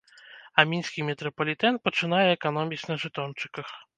А мінскі метрапалітэн пачынае эканоміць на жэтончыках.